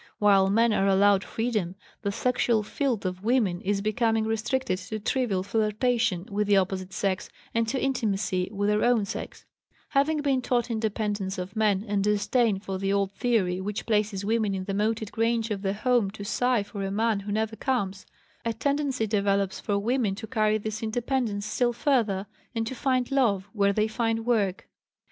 While men are allowed freedom, the sexual field of women is becoming restricted to trivial flirtation with the opposite sex, and to intimacy with their own sex; having been taught independence of men and disdain for the old theory which placed women in the moated grange of the home to sigh for a man who never comes, a tendency develops for women to carry this independence still farther and to find love where they find work.